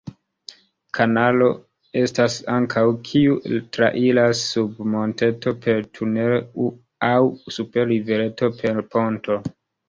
Kanalo estas ankaŭ, kiu trairas sub monteto per tunelo aŭ super rivereto per ponto.